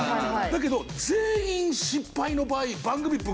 だけど全員失敗の場合。